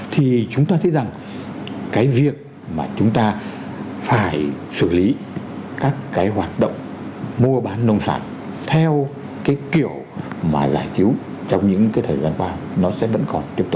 thì chúng ta thấy rằng cái việc mà chúng ta phải xử lý các cái hoạt động mua bán nông sản theo cái kiểu mà giải cứu trong những cái thời gian qua nó sẽ vẫn còn tiếp tục